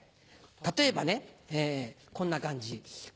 例えばねこんな感じ。